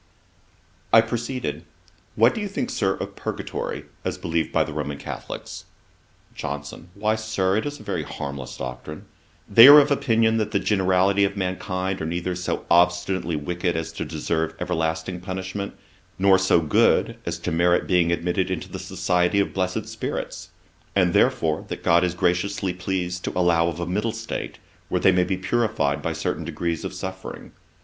I proceeded: 'What do you think, Sir, of Purgatory, as believed by the Roman Catholicks?' JOHNSON. 'Why, Sir, it is a very harmless doctrine. They are of opinion that the generality of mankind are neither so obstinately wicked as to deserve everlasting punishment, nor so good as to merit being admitted into the society of blessed spirits; and therefore that God is graciously pleased to allow of a middle state, where they may be purified by certain degrees of suffering.